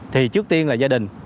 thì trước tiên là gia đình